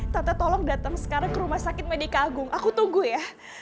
tata tolong datang sekarang ke rumah sakit medica agung aku tunggu ya